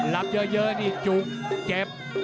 รับเยอะนี่จุกเก็บ